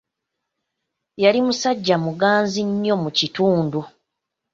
Yali musajja muganzi nnyo mu kitundu.